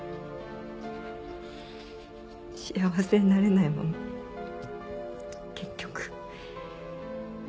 幸せになれないまま結局。